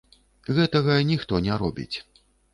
Гэтага ніхто не робіць.